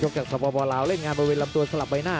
จากสปลาวเล่นงานบริเวณลำตัวสลับใบหน้า